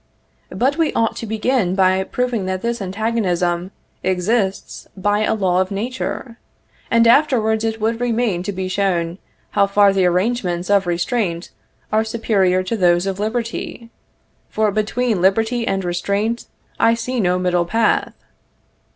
But we ought to begin by proving that this antagonism exists by a law of nature; and afterwards it would remain to be shown how far the arrangements of restraint are superior to those of liberty, for between liberty and restraint I see no middle path.